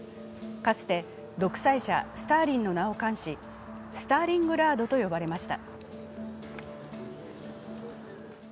かつて独裁者スターリンの名を冠しスターリングラードと呼ばれました。